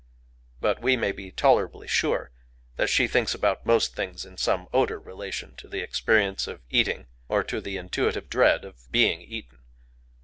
But we may be tolerably sure that she thinks about most things in some odor relation to the experience of eating or to the intuitive dread of being eaten.